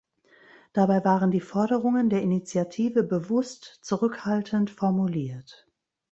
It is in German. Dabei waren die Forderungen der Initiative bewusst zurückhaltend formuliert.